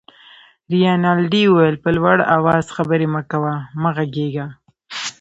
رینالډي وویل: په لوړ آواز خبرې مه کوه، مه غږېږه.